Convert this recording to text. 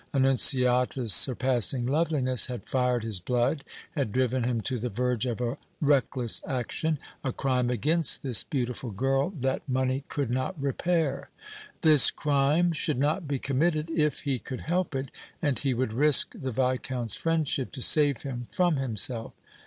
Annunziata's surpassing loveliness had fired his blood, had driven him to the verge of a reckless action, a crime against this beautiful girl that money could not repair. This crime should not be committed, if he could help it, and he would risk the Viscount's friendship to save him from himself.